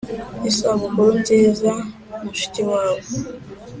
isabukuru nziza, mushikiwabo!